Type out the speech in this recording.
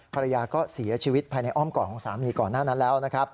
ภรรยาก็เสียชีวิตภายในอ้อมก่อนของสามีพยายามก่อนหน้านั้นแล้ว